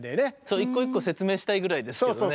一個一個説明したいぐらいですけどね。